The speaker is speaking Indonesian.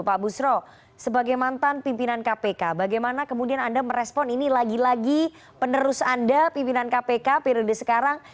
pak busro sebagai mantan pimpinan kpk bagaimana kemudian anda merespon ini lagi lagi penerus anda pimpinan kpk periode sekarang